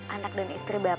anak dan istri bapak